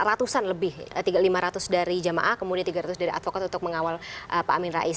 ratusan lebih lima ratus dari jamaah kemudian tiga ratus dari advokat untuk mengawal pak amin rais